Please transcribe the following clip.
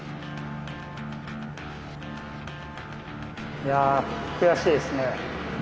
いや悔しいですね。